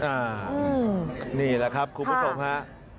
อ่านี่แหละครับคุณผู้ชมครับ